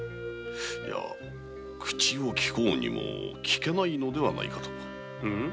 いえ口をきこうにもきけないのではないかと。